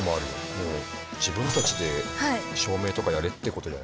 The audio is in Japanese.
もう自分たちで照明とかやれってことじゃない？